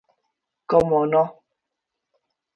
Cómo no.